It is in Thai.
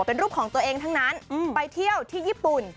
เป็นรูปของตัวเองทั้งนั้นไปเที่ยวที่ญี่ปุ่น